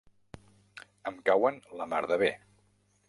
Em cauen la mar de bé.